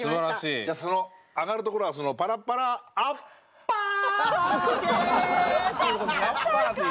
じゃあその上がるところは「パラパラアッパーティー」最高！